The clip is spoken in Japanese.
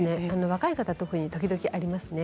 若い方、時々あります。